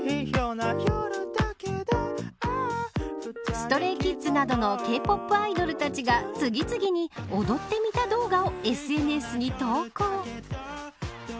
ＳｔｒａｙＫｉｄｓなどのＫ‐ＰＯＰアイドルたちが次々に踊ってみた動画をＳＮＳに投稿。